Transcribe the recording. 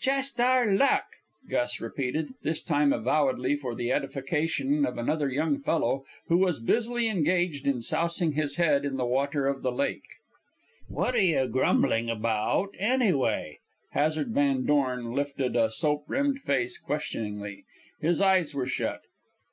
"Just our luck!" Gus repeated, this time avowedly for the edification of another young fellow who was busily engaged in sousing his head in the water of the lake. "What are you grumbling about, anyway?" Hazard Van Dorn lifted a soap rimmed face questioningly. His eyes were shut.